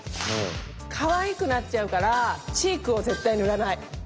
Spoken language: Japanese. かわいくなっちゃうからチークを絶対塗らない！